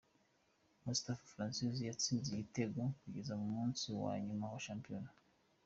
Moustapha Francis yatsinze ibitego kugeza ku munsi wa nyuma wa shampiyona .